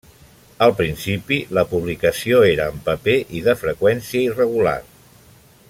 Al principi, la publicació era en paper i de freqüència irregular.